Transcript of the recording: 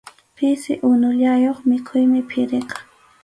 Pisi unullayuq mikhuymi phiriqa.